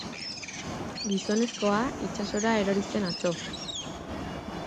Gizonezkoa itsasora erori zen atzo.